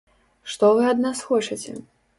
Што вы ад нас хочаце?